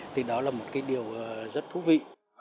thì đó là một cái điều rất thú vị